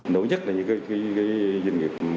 nổi nhất là những cái doanh nghiệp